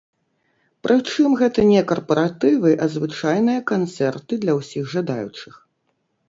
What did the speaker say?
Прычым гэта не карпаратывы, а звычайныя канцэрты для ўсіх жадаючых.